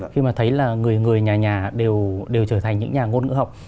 khi mà thấy là người người nhà nhà đều trở thành những nhà ngôn ngữ học